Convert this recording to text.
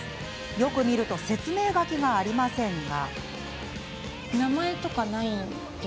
よく見ると説明書きがありませんが。